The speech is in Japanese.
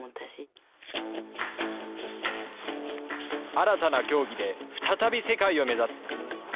新たな競技で再び世界を目指す。